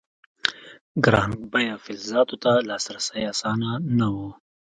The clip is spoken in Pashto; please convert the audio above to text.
ګران بیه فلزاتو ته لاسرسی اسانه نه و.